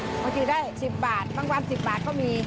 บางทีได้๑๐บาทบางวัน๑๐บาทก็มี